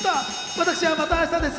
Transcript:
私はまた明日です。